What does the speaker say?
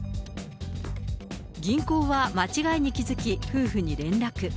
銀行は間違いに気付き、夫婦に連絡。